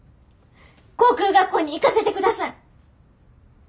航空学校に行かせてください。